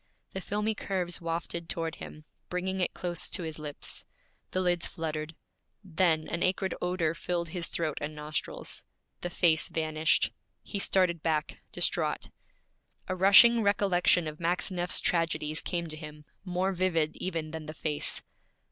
The filmy curves wafted toward him, bringing it close to his lips. The lids fluttered. Then an acrid odor filled his throat and nostrils. The face vanished. He started back, distraught. A rushing recollection of Maxineff's tragedies came to him, more vivid even than the face.